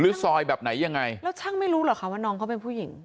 ซอยแบบไหนยังไงแล้วช่างไม่รู้เหรอคะว่าน้องเขาเป็นผู้หญิง